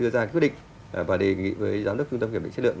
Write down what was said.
và quyết định và đề nghị với giám đốc trung tâm kiểm định chất lượng